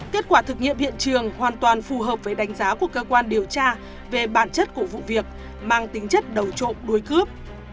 kết quả thực nghiệm hiện trường hoàn toàn phù hợp với đánh giá của cơ quan điều tra về bản chất của vụ việc mang tính chất đầu trộm đuối cướp